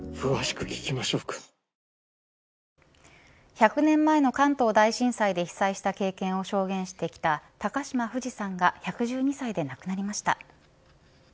１００年前の関東大震災で被災した経験を証言してきた高嶋フジさんが１１２歳で亡くなりました。